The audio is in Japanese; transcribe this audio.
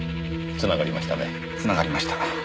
つながりました。